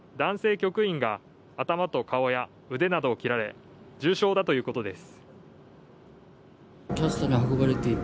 局員が頭と顔や腕などを切られ重傷だということです。